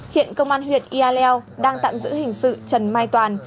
hiện công an huyện yaleo đang tạm giữ hình sự trần mai toàn